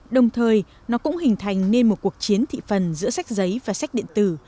đồng thời nó cũng hình thành nên một cuộc chiến thị phần giữa sách giấy và sách điện tử